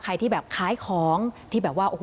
ใครที่แบบค้ายของที่แบบว่า